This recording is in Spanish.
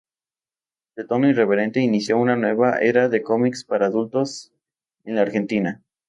De tono irreverente, inició una nueva era de comics para adultos en la Argentina.